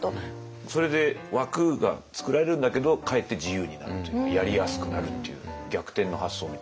それで枠が創られるんだけどかえって自由になるというやりやすくなるっていう逆転の発想みたいな。